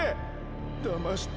だまして！